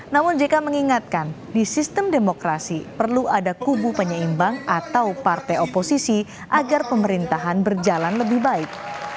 namun jk mengingatkan di sistem demokrasi perlu ada kubu penyeimbang atau partai oposisi agar pemerintahan berjalan lebih baik